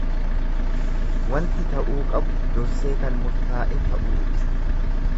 Wanti ta'uu qabu dursee kan murtaa'e ta'uu ibsa.